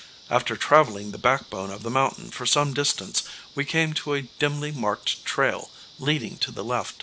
After traveling the backbone of the mountain for some distance we came to a dimly marked trail, leading to the left.